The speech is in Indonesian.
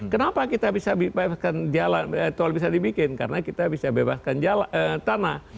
kenapa kita bisa bebaskan jalan tol bisa dibikin karena kita bisa bebaskan tanah